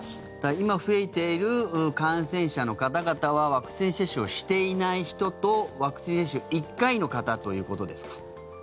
今増えている感染者の方々はワクチン接種をしていない人とワクチン接種１回の方ということですか？